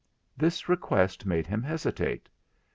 This request made him hesitate.